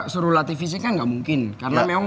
suruh latih fisik kan nggak mungkin karena memang